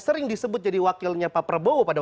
sering disebut jadi wakilnya pak prabowo pada